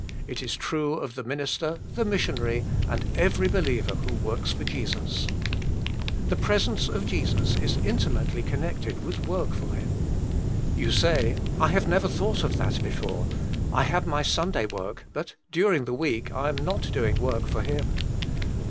It is true of the minister, the missionary, and every be liever who works for Jesus. The pres ence of Jesus is intimately connected Jesus Himself. 65 with work for Him. You say, *< I have never thought of that before. I have my Sunday work, but during the week I am not doing work for Him.